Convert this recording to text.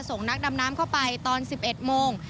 ส่งนักดำน้ำเข้าไปตอน๑๑โมง